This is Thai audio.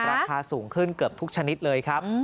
ราคาสูงขึ้นเกือบทุกชนิดเลยครับ